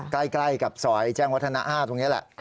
ใกล้กับซอยแจ้งวัฒนะ๕ตรงนี้แหละ